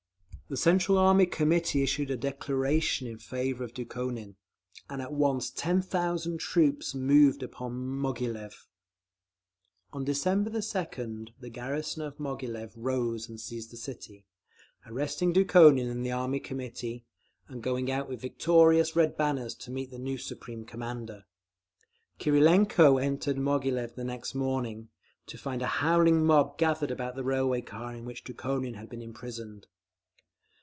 The Central Army Committee issued a declaration in favour of Dukhonin; and at once ten thousand troops moved upon Moghilev…. On December 2d the garrison of Moghilev rose and seized the city, arresting Dukhonin and the Army Committee, and going out with victorious red banners to meet the new Supreme Commander. Krylenko entered Moghilev next morning, to find a howling mob gathered about the railway car in which Dukhonin had been imprisoned.